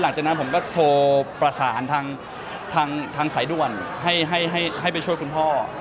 หลังจากนั้นผมก็โทรประสานทางสายด่วนให้ไปช่วยคุณพ่อ